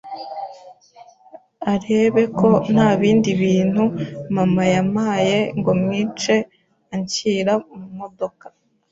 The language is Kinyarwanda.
arebe ko nta bindi bintu mama yampaye ngo mwice anshyira mu modoka